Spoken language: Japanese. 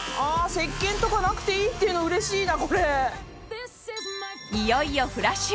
石鹸とかなくていいっていうのうれしいな。